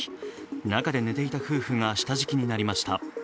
中で寝ていた夫婦が下敷きになりました。